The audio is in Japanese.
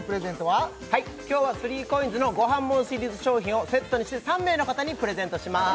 はい今日は３ＣＯＩＮＳの「ごはんもん」シリーズ商品をセットにして３名の方にプレゼントします